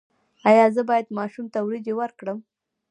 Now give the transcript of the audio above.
ایا زه باید ماشوم ته وریجې ورکړم؟